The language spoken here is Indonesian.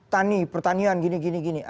tani pertanian gini gini